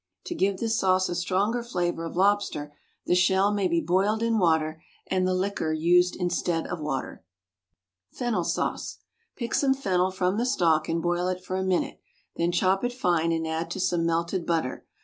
To give this sauce a stronger flavour of lobster, the shell may be boiled in water, and the liquor used instead of water. =Fennel Sauce.= Pick some fennel from the stalk and boil it for a minute, then chop it fine and add to some "melted butter."